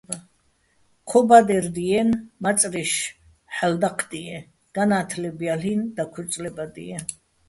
ჴო ბადერ დიენი̆, მაწრიშ ჰ̦ალო̆ დაჴდიეჼ, განა́თლებ ჲალ'იჼ, დაქუ́ჲრწლებადიეჼ.